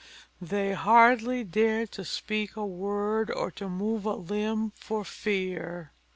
They hardly dared to speak a word, or to move a limb, for fear.